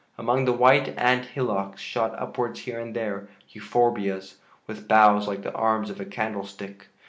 Among the white ant hillocks shot upwards here and there euphorbias, with boughs like the arms of a candle stick.